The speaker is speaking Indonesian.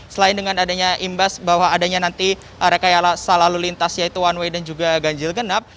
selain dengan adanya imbas bahwa adanya nanti rekayasa lalu lintas yaitu one way dan juga ganjil genap